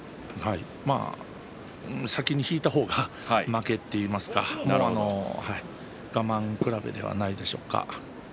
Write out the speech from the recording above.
先に引いた方が負けといいますか我慢比べではないでしょうか。